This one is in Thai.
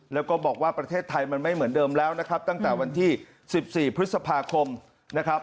แล้วก็บอกว่าประเทศไทยมันไม่เหมือนเดิมแล้วนะครับตั้งแต่วันที่๑๔พฤษภาคมนะครับ